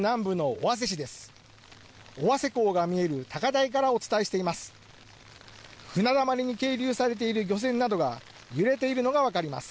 尾鷲港が見える高台からお伝えしています。